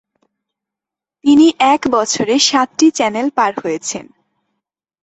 তিনি এক বছরে সাতটি চ্যানেল পার হয়েছেন।